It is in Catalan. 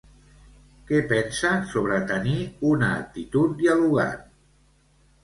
Què pensa sobre tenir una actitud dialogant?